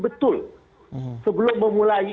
betul sebelum memulai